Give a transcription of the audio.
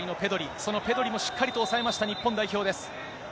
そのペドリもしっかりと抑えました、日本代表です。